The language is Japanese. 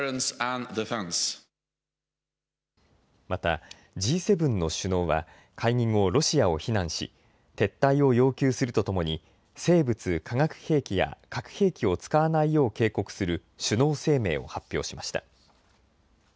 またＧ７の首脳は会議後、ロシアを非難し撤退を要求するとともに生物・化学兵器や核兵器を使わないよう警告する首脳声明を発表しました。